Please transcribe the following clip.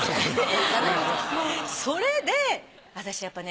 それで私やっぱね